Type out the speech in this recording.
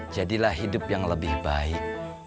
jadilah hidup yang lebih baik